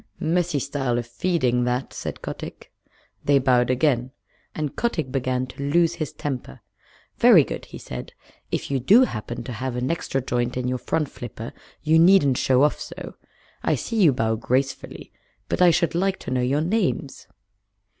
"Messy style of feeding, that," said Kotick. They bowed again, and Kotick began to lose his temper. "Very good," he said. "If you do happen to have an extra joint in your front flipper you needn't show off so. I see you bow gracefully, but I should like to know your names."